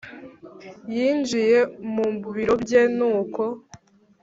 yinjiye mubiro bye nuko